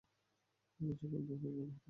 এখন সকাল হলে ভালো হত।